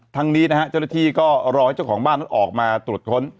นี้นะฮะเจ้าหน้าที่ก็รอให้เจ้าของบ้านนั้นออกมาตรวจค้น